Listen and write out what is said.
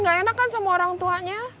gak enak kan semua orang tuanya